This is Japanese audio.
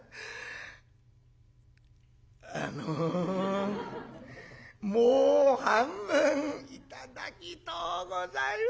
「あのもう半分頂きとうございます。